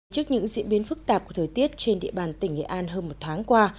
trước những diễn biến phức tạp của thời tiết trên địa bàn tỉnh nghệ an hơn một tháng qua